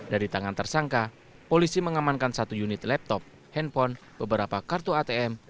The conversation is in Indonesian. dari tangan tersangka polisi mengamankan satu unit laptop handphone beberapa kartu atm